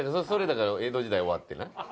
それだから江戸時代終わってな。